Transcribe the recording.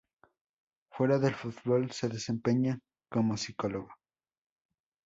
Fuera del fútbol, se desempeña como psicólogo.